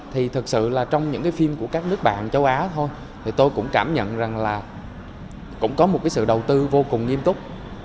thì thật sự là trong những cái phim của các nước bạn châu á thôi thì tôi cũng cảm nhận rằng là cũng có một cái sự đầu tư vô cùng nghiêm túc